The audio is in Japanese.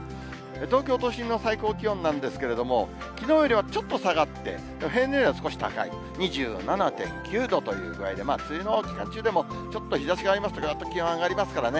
東京都心の最高気温なんですけれども、きのうよりはちょっと下がって、平年よりは少し高い２７．９度という具合で、ちょっと梅雨の期間中でもちょっと日ざしがありますと、やっぱり気温が上がりますからね。